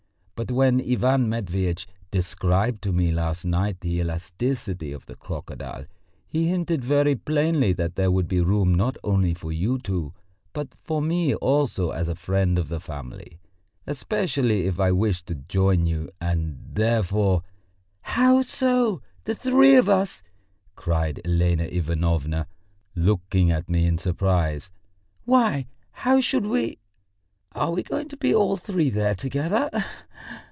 But when Ivan Matveitch described to me last night the elasticity of the crocodile, he hinted very plainly that there would be room not only for you two, but for me also as a friend of the family, especially if I wished to join you, and therefore...." "How so, the three of us?" cried Elena Ivanovna, looking at me in surprise. "Why, how should we ... are we going to be all three there together?